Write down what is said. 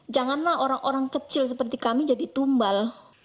janganlah orang orang kecil seperti kami jadi tumbal